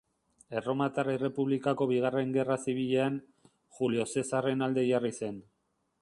Erromatar Errepublikako Bigarren Gerra Zibilean, Julio Zesarren alde jarri zen.